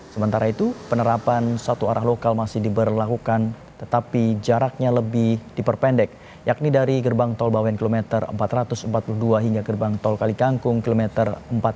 sementara itu penerapan satu arah lokal masih diberlakukan tetapi jaraknya lebih diperpendek yakni dari gerbang tol bawen kilometer empat ratus empat puluh dua hingga gerbang tol kalikangkung kilometer empat puluh lima